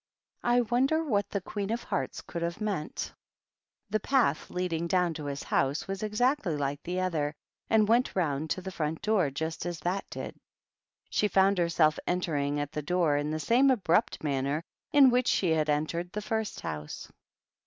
" I wonder wl the Queen of Hearts could have meant." THE TWEEDLES. 285 The path leading down to his house was exactly like the other, and went round to the front door just as that did. She found herself entering at the door in the same abrupt manner in which she had entered the first house.